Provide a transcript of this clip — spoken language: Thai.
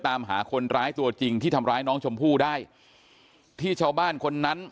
ตามหาคนร้ายตัวจริงที่ทำร้ายน้องชมพู่ได้ที่ชาวบ้านคนนั้น